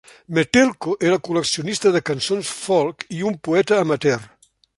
Metelko era col·leccionista de cançons folk i un poeta amateur.